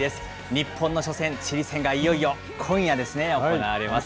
日本の初戦、チリ戦がいよいよ、今夜ですね、行われます。